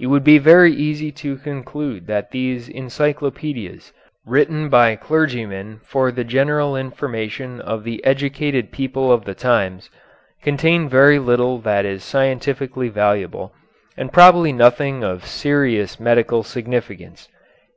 It would be very easy to conclude that these encyclopedias, written by clergymen for the general information of the educated people of the times, contain very little that is scientifically valuable, and probably nothing of serious medical significance.